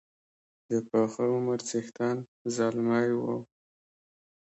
د پاخه عمر څښتن زلمی وو.